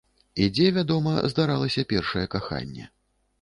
І дзе, вядома, здаралася першае каханне.